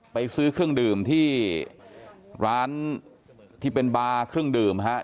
ไปซื้อเครื่องดื่มที่ร้านที่เป็นบาร์เครื่องดื่มฮะ